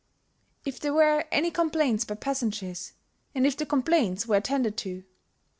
If there were any complaints by passengers and if the complaints were attended to.